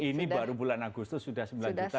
ini baru bulan agustus sudah sembilan juta